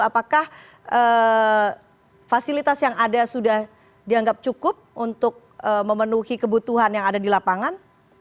apakah fasilitas yang ada sudah dianggap cukup untuk memenuhi kebutuhan yang ada di lapangan